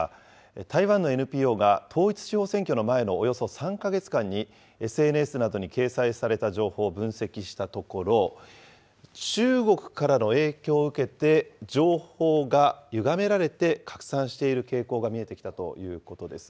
台湾のＮＰＯが、統一地方選挙の前のおよそ３か月間に、ＳＮＳなどに掲載された情報を分析したところ、中国からの影響を受けて、情報がゆがめられて拡散している傾向が見えてきたということです。